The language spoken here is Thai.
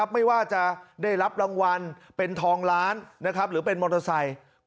ไม่ว่าจะได้รับรางวัลเป็นทองล้านหรือเป็นมอเตอร์ไซค์